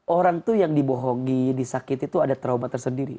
orang tuh yang dibohongi disakiti itu ada trauma tersendiri